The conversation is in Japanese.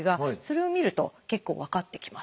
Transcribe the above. それを見ると結構分かってきます。